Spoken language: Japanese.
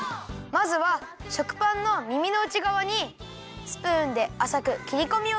まずは食パンのみみのうちがわにスプーンであさくきりこみをいれるよ！